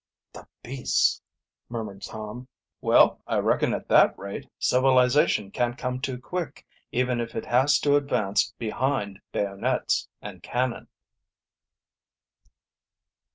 "The beasts!" murmured Tom. "Well, I reckon at that rate, civilization can't come too quick, even if it has to advance behind bayonets and cannon."